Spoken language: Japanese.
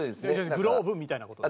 グローブみたいな事で。